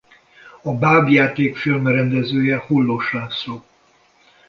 A báb-játékfilm rendezője Hollós László.